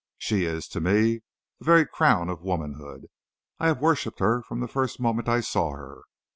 She is, to me, the very crown of womanhood. I have worshiped her from the first moment I saw her.